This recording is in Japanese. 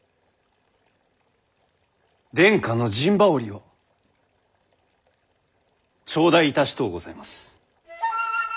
殿下の陣羽織を頂戴いたしとうございます。